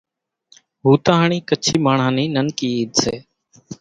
ھوتاھڻِي ڪڇي ماڻۿان نِي ننڪي عيد سي